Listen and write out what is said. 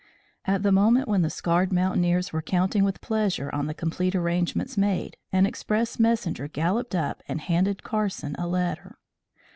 At the moment when the scarred mountaineers were counting with pleasure on the complete arrangements made, an express messenger galloped up and handed Carson a letter.